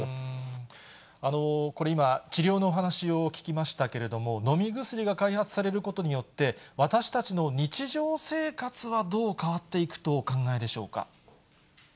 これ今、治療のお話を聞きましたけれども、飲み薬が開発されることによって、私たちの日常生活はどう変わっていくとお考えでしょうか。